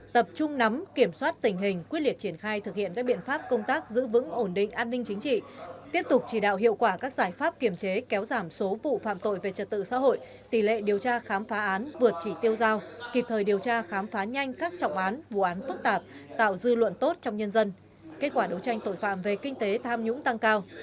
tập trung nắm kiểm soát tình hình quyết liệt triển khai thực hiện các biện pháp công tác giữ vững ổn định an ninh chính trị tiếp tục chỉ đạo hiệu quả các giải pháp kiểm chế kéo giảm số vụ phạm tội về trật tự xã hội tỷ lệ điều tra khám phá án vượt chỉ tiêu giao kịp thời điều tra khám phá nhanh các trọng án vụ án phức tạp tạo dư luận tốt trong nhân dân kết quả đấu tranh tội phạm về kinh tế tham nhũng tăng cao